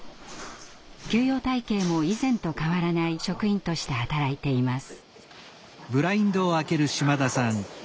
給与体系も以前と変わらない職員として働いています。